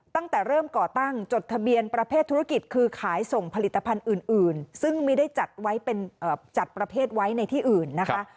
ตั้งแต่เริ่มก่อตั้งจดทะเบียนประเภทธุรกิจคือขายส่งผลิตภัณฑ์อื่นซึ่งไม่ได้จัดไว้เป็นจัดประเภทไว้ในที่อื่นนะคะ